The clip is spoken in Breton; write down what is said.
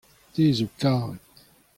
te a zo karet.